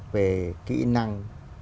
về kỹ năng